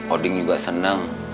odin juga senang